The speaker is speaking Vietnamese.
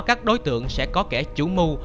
các đối tượng sẽ có kẻ chủ mưu